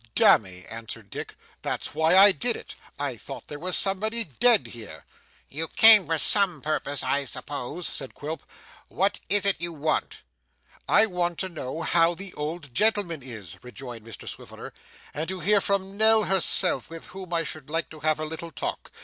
'Damme!' answered Dick, 'that's why I did it. I thought there was somebody dead here.' 'You came for some purpose, I suppose,' said Quilp. 'What is it you want?' 'I want to know how the old gentleman is,' rejoined Mr Swiveller, 'and to hear from Nell herself, with whom I should like to have a little talk.